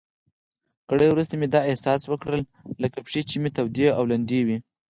ګړی وروسته مې داسې احساس وکړل لکه پښې چي مې تودې او لندې وي.